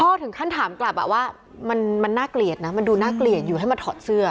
ถึงขั้นถามกลับว่ามันน่าเกลียดนะมันดูน่าเกลียดอยู่ให้มาถอดเสื้อ